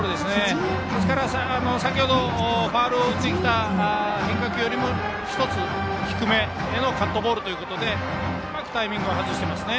先程ファウルを打ってきた変化球よりも１つ低めへのカットボールということでうまくタイミングを外しています。